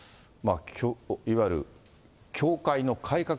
いわゆる教会の改革